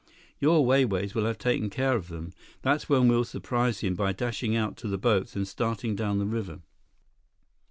Your Wai Wais will have taken care of them. That's when we'll surprise him by dashing out to the boats and starting down the river."